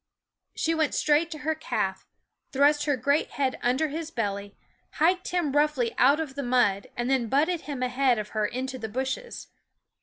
She went straight to her calf, thrust her great head under his belly, hiked him roughly out of the mud, and then butted him ahead of her into the bushes.